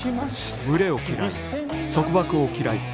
群れを嫌い束縛を嫌い